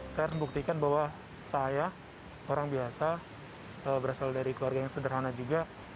saya harus membuktikan bahwa saya orang biasa berasal dari keluarga yang sederhana juga